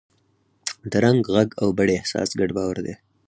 د رنګ، غږ او بڼې احساس ګډ باور دی.